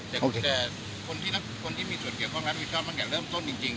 แต่คนที่มีส่วนเกี่ยวข้องและมีส่วนรับผิดชอบมันก็จะเริ่มต้นจริง